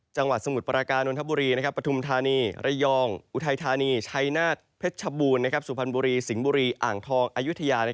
สมุทรปราการนทบุรีปฐุมธานีระยองอุทัยธานีชัยนาฏเพชรชบูรณ์สุพรรณบุรีสิงห์บุรีอ่างทองอายุทยา